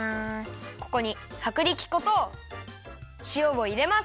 ここにはくりき粉としおをいれます。